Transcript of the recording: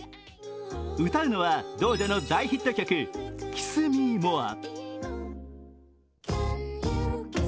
歌うのはドージャの大ヒット曲「キス・ミー・モア」。